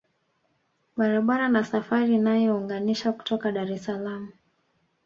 Barabara na safari inayounganisha kutoka Dar es salaam